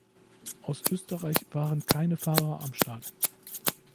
Aus Österreich waren keine Fahrer am Start.